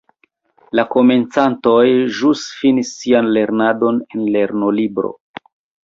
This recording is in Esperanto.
La komencantoj, ĵus finis sian lernadon en lernolibro.